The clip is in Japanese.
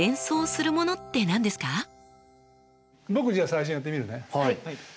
僕じゃあ最初やってみるね。